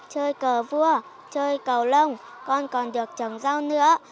chơi cờ vua chơi cầu lông con còn được trồng rau nữa